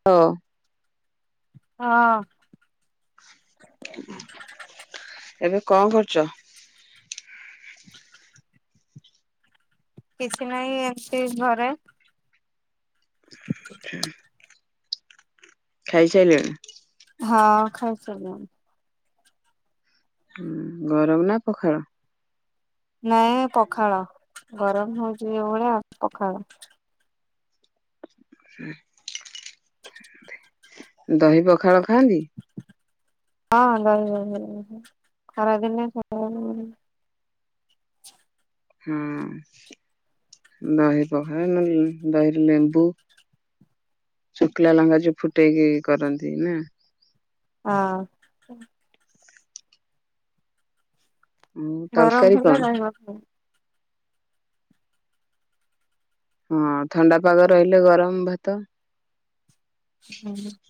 [unintelligible] ହଁ। ଏବେ କଣ କରୁଛ? [inaudible] କିଛି ନାହିଁ ଏମିତି ଘରେ। [inaudible] [inaudible] ଖାଇ ସାରିଲଣି? ହଁ ଖାଇ ସାରିଲୁଣି। ହଁ ଗରମ ନା ପଖାଳ? ନାଇଁ ପଖାଳ ଗରମ ହଉଛି ଯୋଉଭଳିଆ ଆଉ ପଖାଳ। ଦହି ପଖାଳ ଖାଆନ୍ତି? [unintelligible] ହଁ ଦହି ପଖାଳ ନହେଲେ ଦହିରେ ଲେମ୍ଵୁ। ଶୁଖିଲା ଲଙ୍କା ଯୋଉ ଫୁଟେଇକି କରନ୍ତି ନା। ହଁ। ଗରମ ତରକାରୀ କଣ? ହେଲା। [unintelligible] ହଁ ଥଣ୍ଡା ପାଗ ରହିଲେ ଗରମ ଭାତ। [unintelligible]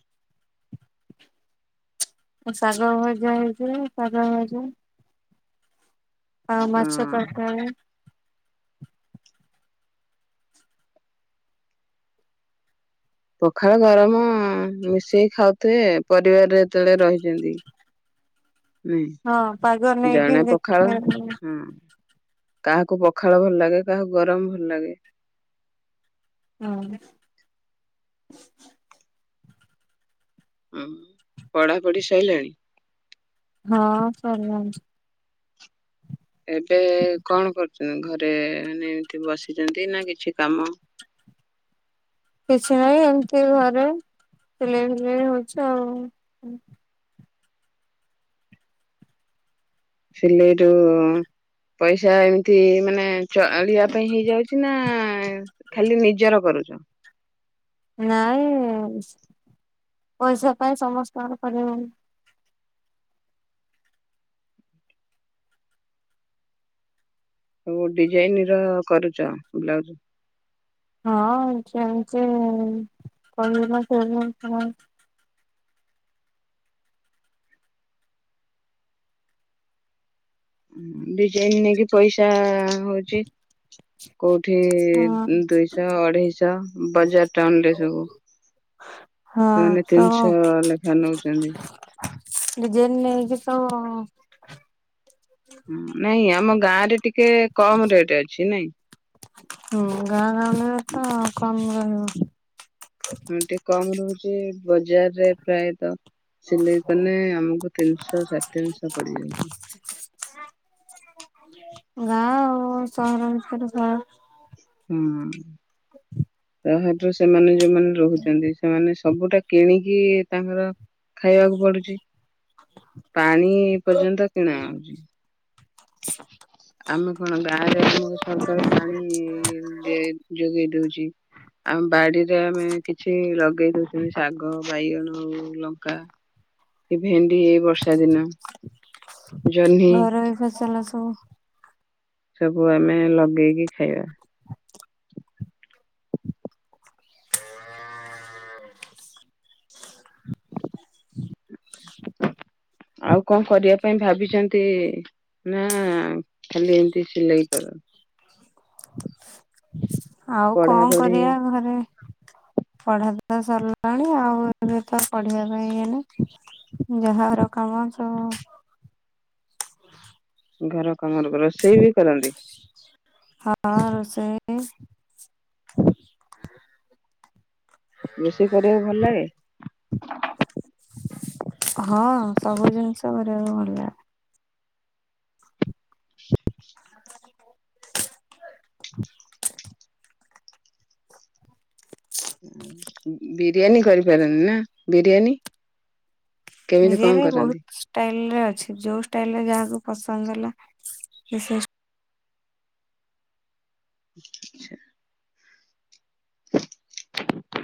ଶାଗ ଭଜା ହେଇଥିଲା ଶାଗ ଭଜା। ହଁ ମାଛ ତରକାରୀ। ପଖାଳ ଗରମ ମିଶେଇ ଖାଉଥିବେ ପରିବାରରେ ଯେତେବେଳେ ରହିଛନ୍ତି। ହୁଁ ହଁ ପାଗ ନେଇକି ଜଣେ ଦେଖ ପଖାଳ ହୁଁ। କାହାକୁ ପଖାଳ ଭଲ ଲାଗେ କାହାକୁ ଗରମ ଭଲ ଲାଗେ। [unintelligible] ହୁଁ ପଢାପଢି ସରିଲାଣି? ହଁ ସରିଲାଣି। ଏବେ କଣ କରୁଛନ୍ତି ଘରେ ମାନେ ଏମିତି ବସିଛନ୍ତି ନା କିଛି କାମ? କିଛି ନାହିଁ ଏମତି ଘରେ ସିଲେଇ ଫିଲେଇ ହଉଛି ଆଉ। ସିଲେଇରୁ। ପଇସା ଏମିତି ମାନେ ଚଳିବା ପାଇଁ ହେଇଯାଉଛି ନା? ଖାଲି ନିଜର କରୁଛ? ନାଇଁ ପଇସା ପାଇଁ ସମସ୍ତଙ୍କର କରିବାକୁ ସବୁ ଡିଜାଇନ ର କରୁଛ ବ୍ଲାଉଜ? ହଁ ଜାଣିଛି [unintelligible] ଡିଜାଇନ ନେଇକି ପଇସା ହଉଛି। କୋଉଠି ଦୁଇଶହ ଅଢେଇଶହ ବଜାର ଟାଉନ ରେ ସବୁ [inaudible] ହଁ ସେମାନେ ସବୁ ତିନିଶହ ଲେଖା ନଉଛନ୍ତି। ଡିଜାଇନ ନେଇକି ତ। ହଁ ନାଇଁ ଆମ ଗାଁ ରେ ଟିକେ କମ ରେଟ ଅଛି। ନାଇଁ? ହୁଁ ଗାଁ ଗାଁ ମନେତ କମ ରହିବ। ହଁ ଟିକେ କମ ରହୁଛି। ବଜାରରେ ପ୍ରାୟତଃ ସିଲେଇ କଲେ ଆମକୁ ତିନିଶହ ସାଢେ ତିନିଶହ ପଡିଯାଉଛି। ଗାଁ ଆଉ ସହର ଭିତରେ ସହର ହଁ ତାହାତ ସେମାନେ ଯୋଉମାନେ ରହୁଛନ୍ତି। ସେମାନେ ସବୁଟା କିଣିକି ତାଙ୍କର ଖାଇବାକୁ ପଡୁଛି। ପାଣି ପର୍ଯ୍ୟନ୍ତ କିଣା ହଉଛି। ଆମେ କଣ ଗାଁରେ ଆମକୁ ସରକାର ପାଣି କିଏ ଦେତ୍ ଯୋଗେଇ ଦଉଛି। ଆମ ବାଡିରେ ଆମେ କିଛି ଲଗେଇ ଦଉଛନ୍ତି ଶାଗ ବାଇଗଣ ଆଉ ଲଙ୍କା। କି ଭେଣ୍ଡି ଏଇ ବର୍ଷା ଦିନ ଜହ୍ନି ଘରୋଇ ଫସଲ ସବୁ। ସବୁ ଆମେ ଲଗେଇକି ଖାଇବା। [inaudible] ଆଉ କଣ କରିବା ପାଇଁ ଭାବିଛନ୍ତି? ନା ଖାଲି ଏମତି ସିଲେଇ କର? ଆଉ ପଢା କଣ ପଢି କରିବା ଘରେ ପଢା ପଢା ସରିଲାଣି ଆଉ ଏବେ ତ ପଢିବା ପାଇଁ ଇଏ ନାହିଁ ଯାହାର କାମ ସବୁ ଘର କାମର ପରା ରୋଷେଇ ବି କରନ୍ତି? [inaudible] ହଁ ରୋଷେଇ। ରୋଷେଇ କରିବାକୁ ଭଲ ଲାଗେ? ହଁ ସବୁ ଜିନିଷ କରିବାକୁ ଭଲ ଲା [inaudible] ବିରିୟାନୀ କରିପାରନ୍ତିି ନା? ବିରିୟାନୀ କେମିତି କଣ ବିରିୟାନୀ କରନ୍ତି? ବହୁତ ଷ୍ଟାଇଲ ରେ ଅଛି ଯୋଉ ଷ୍ଟାଇଲ ରେ ଯାହାକୁ ପସନ୍ଦ ହେଲା ସିଏ [inaudible] [inaudible]